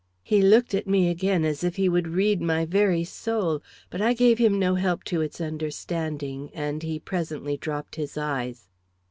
He looked at me again as if he would read my very soul, but I gave him no help to its understanding, and he presently dropped his eyes.